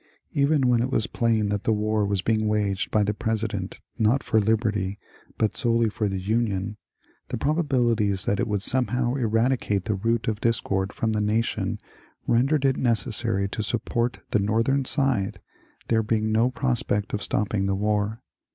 Even when it was plain that the war was being waged by the Pre sident, not for liberty, but solely for the Union, the proba bilities that it would somehow eradicate the root of discord PATHETIC LETTER FROM SUMNER 89 from the nation, rendered it necessary to support the North ern side, there being no prospeot of stopping the war.